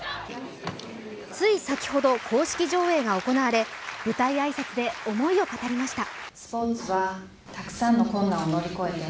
つい先ほど、公式上映が行われ舞台挨拶で思いを語りました。